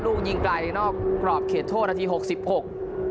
ลูกยิงไกลนอกกรอบเขตโทษนาทีหกสิบหก